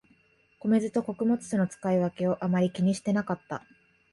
米酢と穀物酢の使い分けをあまり気にしてなかった